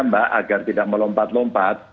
mbak agar tidak melompat lompat